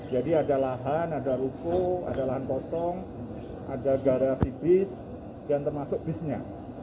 jadi ada lahan ada ruko ada lahan kosong ada garasi bus dan termasuk busnya